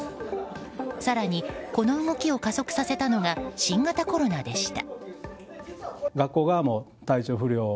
更に、この動きを加速させたのが新型コロナでした。